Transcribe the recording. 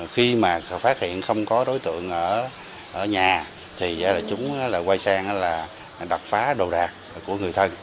khi mà phát hiện không có đối tượng ở nhà thì chúng là quay sang là đập phá đồ đạc của người thân